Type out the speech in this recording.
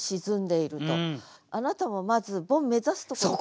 あなたもまずボン目指すところから。